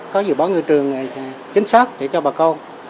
có dự báo ngư trường chính xác để cho bà con